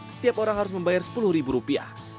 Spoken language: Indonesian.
setiap orang harus membayar sepuluh ribu rupiah